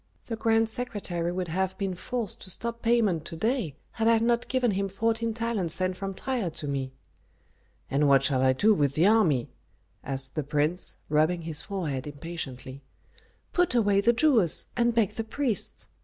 The grand secretary would have been forced to stop payment to day had I not given him fourteen talents sent from Tyre to me." "And what shall I do with the army?" asked the prince, rubbing his forehead impatiently. "Put away the Jewess, and beg the priests.